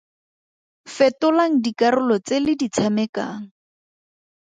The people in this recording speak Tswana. Fetolang dikarolo tse le di tshamekang.